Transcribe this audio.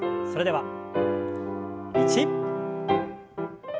それでは１。